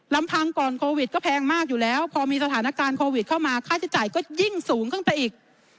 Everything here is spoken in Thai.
ลำพังก่อนโควิดก็แพงมากอยู่แล้วพอมีสถานการณ์โควิดเข้ามาค่าใช้จ่ายก็ยิ่งสูงขึ้นไปอีก